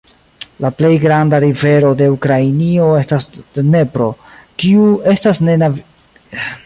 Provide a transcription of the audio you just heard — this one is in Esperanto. La plej granda rivero de Ukrainio estas Dnepro, kiu estas navigebla.